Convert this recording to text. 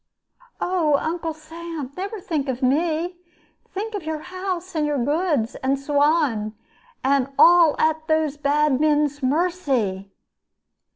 "Oh, Uncle Sam, never think of me; think of your house and your goods and Suan, and all at those bad men's mercy!"